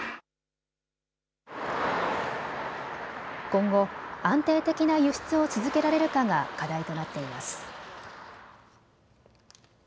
今後、安定的な輸出を続けられるかが課題となっています。